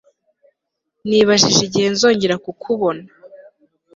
Nibajije igihe nzongera kukubona